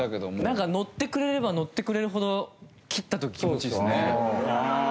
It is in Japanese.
なんかのってくれればのってくれるほど切った時気持ちいいですね。